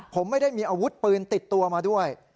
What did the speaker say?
ผมไม่ได้มีอาวุธปืนติดตัวมาด้วย